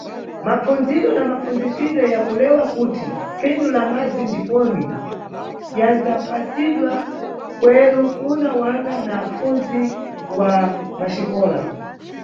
Mapfundziro na kapfundzisidwe ya kulewa kuti phindu lá madzi ndiponi, yandzapasidwa kweru, kuna wana na apfundzi wa mʼmaxikola.